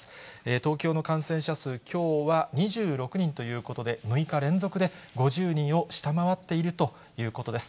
東京の感染者数、きょうは２６人ということで、６日連続で５０人を下回っているということです。